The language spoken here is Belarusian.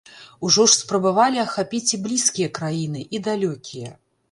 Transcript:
Ужо ж спрабавалі ахапіць і блізкія краіны, і далёкія.